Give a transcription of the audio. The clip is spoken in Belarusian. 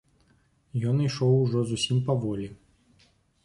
Ён ішоў ужо зусім паволі.